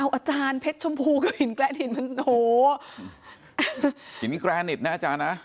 อาจารย์เพชรชมพูกับหินแกรนหินมันโหหินแกรนิตนะอาจารย์นะ